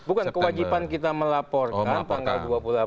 bukan kewajiban kita melaporkan tanggal dua puluh delapan